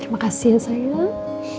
makasih ya sayang